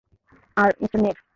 আর মিঃ নের।